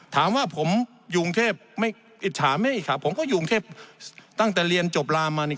ถามว่าผมอยู่กรุงเทพถามให้อีกครับผมก็อยู่กรุงเทพตั้งแต่เรียนจบรามาเนี่ย